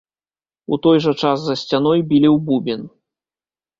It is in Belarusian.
У той жа час за сцяной білі ў бубен.